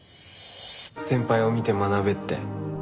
先輩を見て学べって。